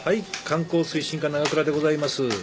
観光推進課長倉でございます。